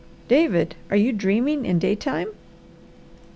"David, are you dreaming in daytime?"